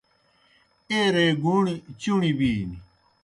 ایرے گُوݨیْ چُݨیْ بِینیْ۔